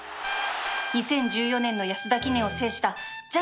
２０１４年の安田記念を制した